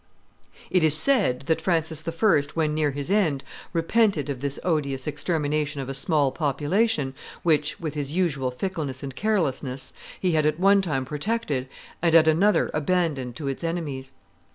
It is said that Francis I., when near his end, repented of this odious extermination of a small population, which, with his usual fickleness and carelessness, he had at one time protected, and at another abandoned to its enemies.